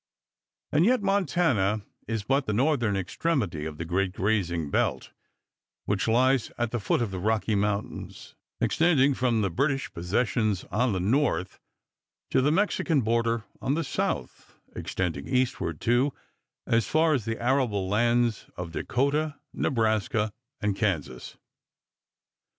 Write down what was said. And yet Montana is but the northern extremity of the great grazing belt which lies at the foot of the Rocky Mountains, extending from the British possessions on the north to the Mexican border on the south, extending eastward, too, as far as the arable lands of Dakota, Nebraska and Kansas.